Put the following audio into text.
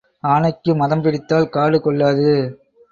ஆனைக்கு மதம் பிடித்தால் காடு கொள்ளாது.